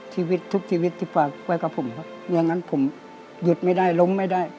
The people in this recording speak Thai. ชีวิตทุกชีวิตที่ฝากไว้กับผมครับอย่างนั้นผมหยุดไม่ได้ล้มไม่ได้